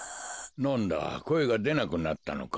なんだこえがでなくなったのか。